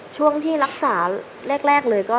ช่วงที่รักษาแรกเลยก็